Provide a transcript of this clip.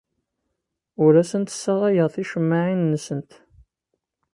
Ur asent-ssaɣayeɣ ticemmaɛin-nsent.